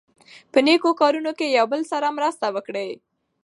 په نېکو کارونو کې یو بل سره مرسته وکړئ.